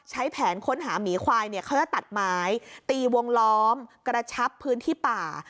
ใช้แผนค้นหาหมีควายเค้าตัดไม้ตีวงล้อมกระชับพื้นที่ป่า